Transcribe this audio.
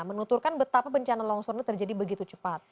menuturkan betapa bencana longsornya terjadi begitu cepat